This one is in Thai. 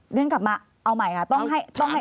อย่างนั้นกลับมาเอาใหม่ค่ะต้องให้ต้องให้